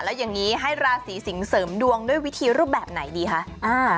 แล้วอย่างนี้ให้ราศีสิงเสริมดวงด้วยวิธีรูปแบบไหนดีคะ